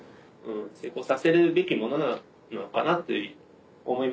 成功させるべきものなのかなと思います。